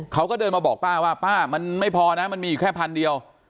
เขาก็เดินมาบอกป้าว่าป้ามันไม่พอนะมันมีอยู่แค่พันเดียว